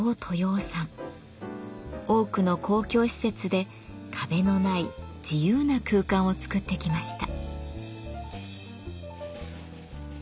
多くの公共施設で壁のない自由な空間をつくってきました。